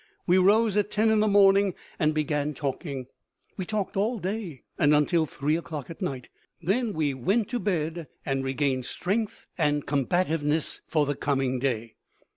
We rose at 10 in the morning and began talking; we talked all day and until 3 o'clock at night. Then we went to bed and regained strength and combativeness for the coming day.